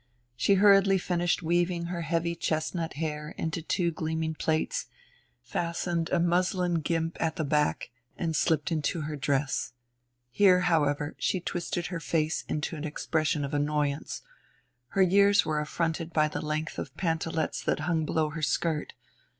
She hurriedly finished weaving her heavy chestnut hair into two gleaming plaits, fastened a muslin guimpe at the back, and slipped into her dress. Here, however, she twisted her face into an expression of annoyance her years were affronted by the length of pantalets that hung below her skirt.